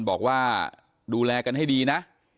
บอกว่าดูแลกันให้ดีนะ